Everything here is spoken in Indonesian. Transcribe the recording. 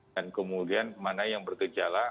dan kemudian mana yang bergejala